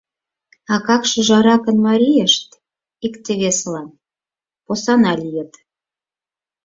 — Акак-шӱжаракын марийышт икте-весылан посана лийыт.